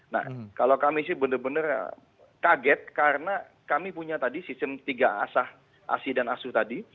nah kalau kami sih benar benar kaget karena kami punya tadi sistem tiga asah asi dan asuh tadi